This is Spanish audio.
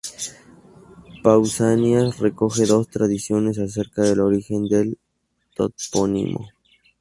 Pausanias recoge dos tradiciones acerca del origen del topónimo.